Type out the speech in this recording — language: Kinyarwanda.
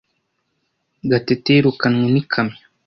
Gatete yirukanwe n'ikamyo.